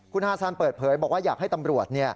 คุณฮาซันเปิดเผยบอกว่าอยากให้ตำรวจ